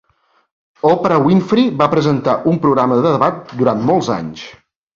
Oprah Winfrey va presentar un programa de debat durant molts anys.